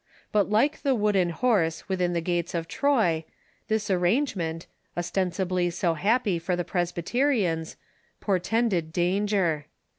But like the Wooden Horse within the gates of Troy, this arrangement, ostensibly so hap py for the Presbyterians, portended danger.